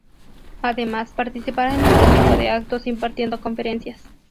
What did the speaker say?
Además participará en otro tipo de actos impartiendo conferencias.